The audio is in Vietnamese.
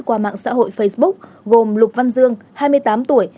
qua mạng xã hội facebook gồm lục văn dương hai mươi tám tuổi